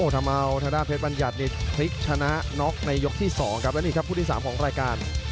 ทะดานเพชรบรรยัตน์พลิกชนะน็อกในยกที่๒และนี่ผู้ที่๓ของรายการ